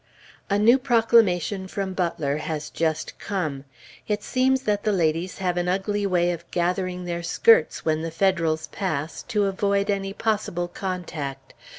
A new proclamation from Butler has just come. It seems that the ladies have an ugly way of gathering their skirts when the Federals pass, to avoid any possible contact.